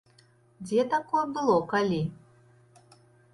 Дзе такое было калі?!